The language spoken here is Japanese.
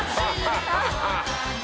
ハハハハ！